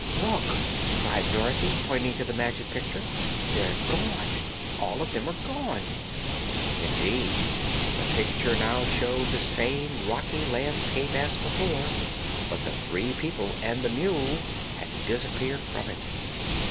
"Look!" cried Dorothy, pointing to the Magic Picture; "they're gone! All of them are gone." Indeed, the picture now showed the same rocky landscape as before, but the three people and the mule had disappeared from it.